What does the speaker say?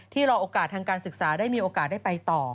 รอโอกาสทางการศึกษาได้มีโอกาสได้ไปต่อ